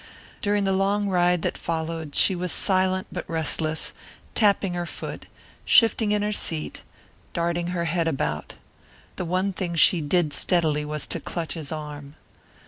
During the long ride that followed she was silent but restless, tapping her foot, shifting in her seat, darting her head about. The one thing she did steadily was to clutch his arm.